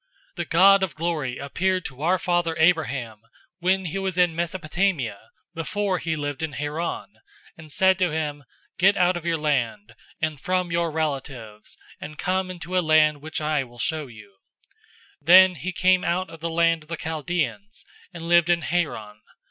The God of glory appeared to our father Abraham, when he was in Mesopotamia, before he lived in Haran, 007:003 and said to him, 'Get out of your land, and from your relatives, and come into a land which I will show you.'{Genesis 12:1} 007:004 Then he came out of the land of the Chaldaeans, and lived in Haran.